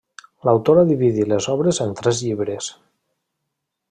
L'autora dividí les obres en tres llibres.